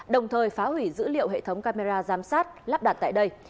đồng thời phá hủy dữ liệu hệ thống camera giám sát lắp đặt tại đây